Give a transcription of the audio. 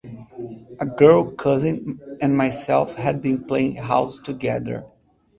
A girl cousin and myself had been playing house together.